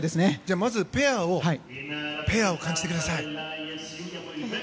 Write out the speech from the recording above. まずペアを感じてください。